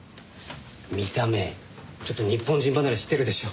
見た目ちょっと日本人離れしてるでしょ。